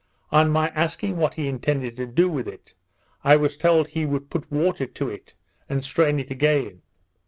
On my asking what he intended to do with it, I was told he would put water to it, and strain it again.